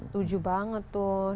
setuju banget tuh